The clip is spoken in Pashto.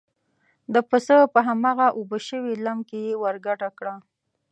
د پسه په هماغه اوبه شوي لم کې یې ور ګډه کړه.